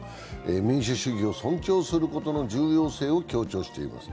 民主主義を尊重することの重要性を強調しています。